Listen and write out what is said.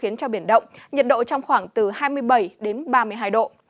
nhiệt độ trong khoảng hai mươi bảy đến ba mươi hai độ